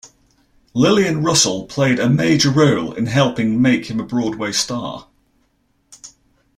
Lillian Russell played a major role in helping make him a Broadway star.